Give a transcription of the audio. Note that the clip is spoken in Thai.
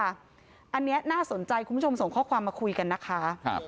อันนี้น่าสนใจคุณผู้ชมส่งข้อความมาคุยกันนะคะ